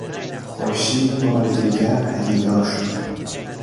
خورشید بار دیگر پدیدار شد.